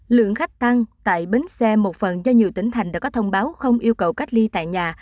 lượng khách tăng tại bến xe một phần do nhiều tỉnh thành đã có thông báo không yêu cầu cách ly tại nhà